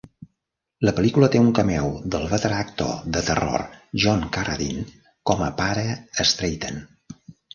La pel·lícula té un cameo del veterà actor de terror John Carradine com a pare Stratten.